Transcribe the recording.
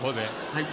はい。